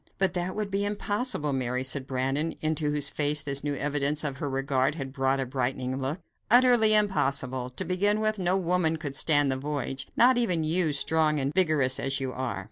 "But that would be impossible, Mary," said Brandon, into whose face this new evidence of her regard had brought a brightening look; "utterly impossible. To begin with, no woman could stand the voyage; not even you, strong and vigorous as you are."